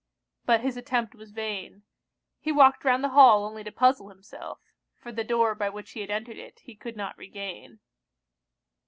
But his attempt was vain. He walked round the hall only to puzzle himself; for the door by which he had entered it, he could not regain.